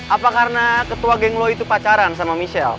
apa karena ketua geng lo itu pacaran sama michelle